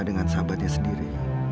dengan sahabatnya sendiri